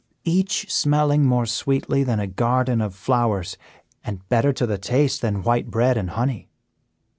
Each smelling more sweetly than a garden of flowers, and better to the taste than white bread and honey.